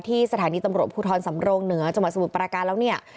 สถานีตำรวจภูทรสำโรงเหนือจังหวัดสมุทรปราการแล้วเนี่ย